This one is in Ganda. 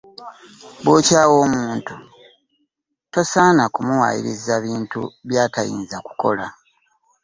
Bw'okyawa omuntu tosaana kumuwayiriza bintu byatayinza kukola .